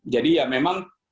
jadi ya memang